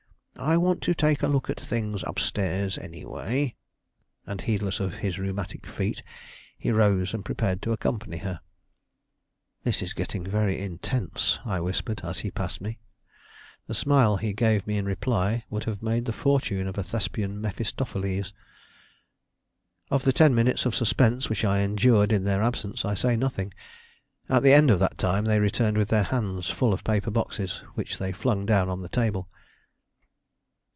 I want to take a look at things up stairs, any way." And, heedless of his rheumatic feet, he rose and prepared to accompany her. "This is getting very intense," I whispered, as he passed me. The smile he gave me in reply would have made the fortune of a Thespian Mephistopheles. Of the ten minutes of suspense which I endured in their absence, I say nothing. At the end of that time they returned with their hands full of paper boxes, which they flung down on the table.